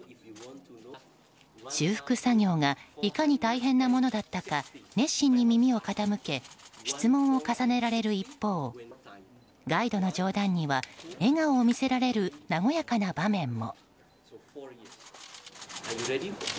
修復作業がいかに大変なものだったか熱心に耳を傾け質問を重ねられる一方ガイドの冗談には笑顔を見せられる和やかな場面も。